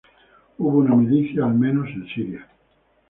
Hubo una milicia, al menos en Siria.